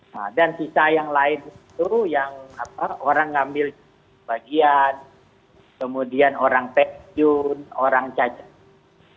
nah dan sisa yang lain itu yang orang ngambil bagian kemudian orang pensiun orang cacat